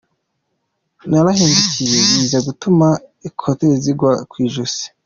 Narahindukiye biza gutuma ‘écouteurs’ zigwa ku ijosi.